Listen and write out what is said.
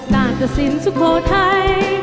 ต่างจากศิลป์สุโคไทย